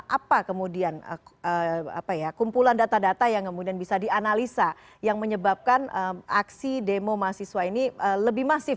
apa kemudian kumpulan data data yang kemudian bisa dianalisa yang menyebabkan aksi demo mahasiswa ini lebih masif